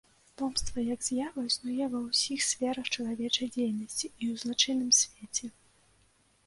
Помста як з'ява існуе ва ўсіх сферах чалавечай дзейнасці і ў злачынным свеце.